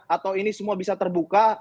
atau ini semua bisa terbuka